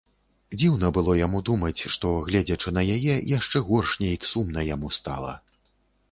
Дзіўна было яму думаць, што, гледзячы на яе, яшчэ горш нейк сумна яму стала.